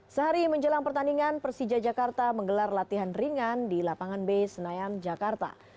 sehari menjelang pertandingan persija jakarta menggelar latihan ringan di lapangan b senayan jakarta